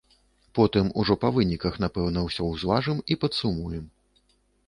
Потым ужо, па выніках, напэўна, усё ўзважым і падсумуем.